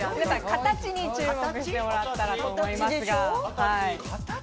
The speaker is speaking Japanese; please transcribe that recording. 形に注目してもらったらと思いますが。